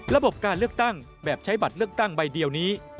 ระบบการเลือกตั้งแบบใช้บัตรเลือกตั้งใบเดียวนี้